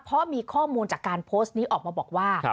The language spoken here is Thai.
เพราะมีข้อมูลจากการโพสต์นี้ออกมาบอกว่า